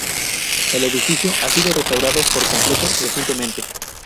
El edificio ha sido restaurado por completo recientemente.